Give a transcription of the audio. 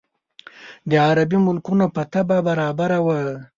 د عربي ملکونو په طبع برابره وه.